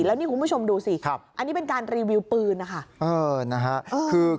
แล้วนี่คุณผู้ชมดูสิอันนี้เป็นการรีวิวปืนนะคะ